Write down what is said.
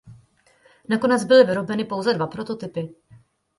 Nakonec byly vyrobeny pouze dva prototypy.